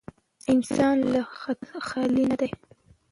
انسان له خطا خالي نه دی.